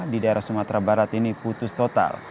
di daerah sumatera barat ini putus total